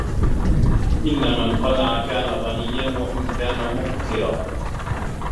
إنَّ مَنْ قَنَعَ كَانَ غَنِيًّا وَإِنْ كَانَ مُقْتِرًا